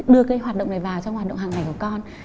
đưa cái hoạt động này vào trong hoạt động hàng ngày của con